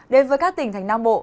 đến với các tỉnh thành nam bộ